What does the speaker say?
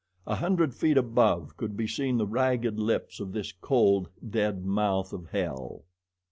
A hundred feet above could be seen the ragged lips of this cold, dead mouth of hell.